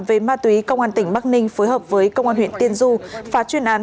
về ma túy công an tỉnh bắc ninh phối hợp với công an huyện tiên du phá chuyên án